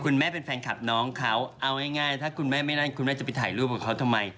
คุณแม่เป็นแฟนคลับน้องเขาเอาง่ายถ้าคุณแม่ไม่นั่นคุณแม่จะไปถ่ายรูปกับเขาทำไม